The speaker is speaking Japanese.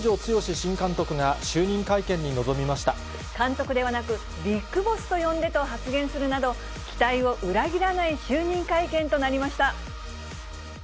新監督が、監督ではなく、ビッグボスと呼んでと発言するなど、期待を裏切らない就任会見となりました。